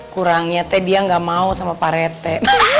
kurangnya teh dia gak mau sama parete